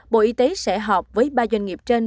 bộ y tế sẽ họp với ba doanh nghiệp trên